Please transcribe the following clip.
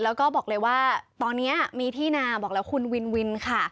แล้วก็บอกเลยว่าตอนนี้มีที่นาบอกแล้วคุณวินวินค่ะ